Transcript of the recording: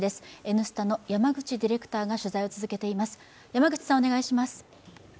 「Ｎスタ」の山口ディレクターが取材を続けています。